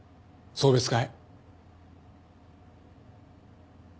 送別会？